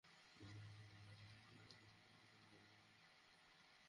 সুনামগঞ্জ পৌরসভা সম্প্রতি অস্বাভাবিক হারে পৌরকর নির্ধারণ করে নাগরিকদের নোটিশ দেয়।